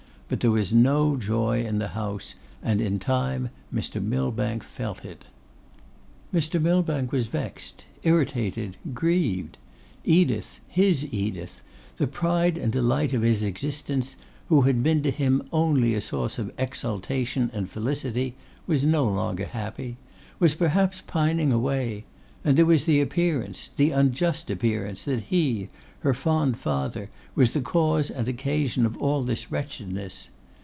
But there was no joy in the house, and in time Mr. Millbank felt it. Mr. Millbank was vexed, irritated, grieved. Edith, his Edith, the pride and delight of his existence, who had been to him only a source of exultation and felicity, was no longer happy, was perhaps pining away; and there was the appearance, the unjust appearance that he, her fond father, was the cause and occasion of all this wretchedness.